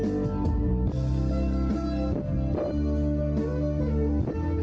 กับหัวตะในตลอดฟังตา